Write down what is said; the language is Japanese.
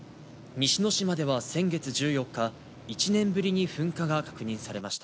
西之島では先月１４日、１年ぶりに噴火が確認されました。